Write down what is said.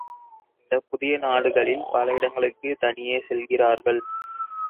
இந்தப் புதிய நாடுகளில் பல இடங்களுக்குத் தனியே செல்கிறார்கள்.